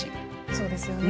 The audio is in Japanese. そうですよね。